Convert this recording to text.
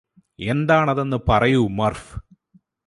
എന്താണതെന്ന് പറയൂ മര്ഫ്